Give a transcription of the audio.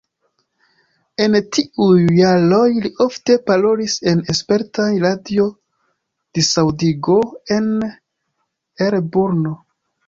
En tiuj jaroj li ofte parolis en esperantaj radio-disaŭdigo el Brno.